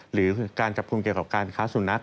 หรือการจับกลุ่มเกี่ยวกับการค้าสุนัข